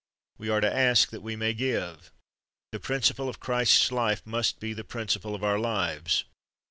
We are to ask that we may give. The principle of Christ's life must be the principle of our lives.